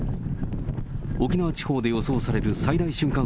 沖縄地方で予想される最大瞬間